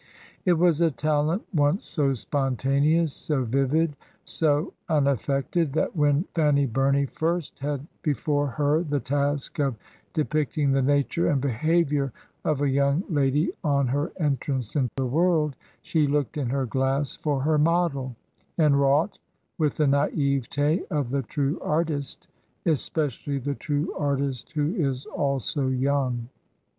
It was a talent once so spontaneous, so vivid, so imaflFected, that when Fanny Bumey first had before her the task of depict ing the nature and behavior of "A Young Lady on her Entrance in the World," she looked in her glass for her model, and wrought with the naivetfi of the true artist, especially the true artist who is also young.